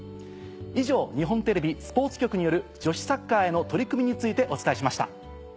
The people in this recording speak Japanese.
以上日本テレビスポーツ局による女子サッカーへの取り組みについてお伝えしました。